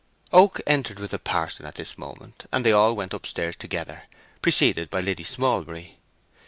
Oak entered with the parson at this moment, and they all went upstairs together, preceded by Liddy Smallbury.